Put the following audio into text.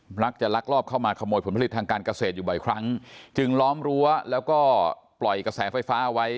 ลักจะลักลอบเข้ามาขโมยผลผลิตทางการเกษตรอยู่บ่อยครั้งจึงล้อมรั้วแล้วก็ปล่อยกระแสไฟฟ้าเอาไว้